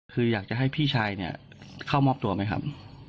คืออยากจะให้พี่ชายเนี่ยเข้ามอบตัวไหมครับ